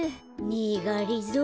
ねえがりぞー。